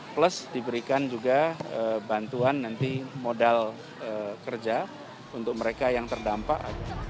plus diberikan juga bantuan nanti modal kerja untuk mereka yang terdampak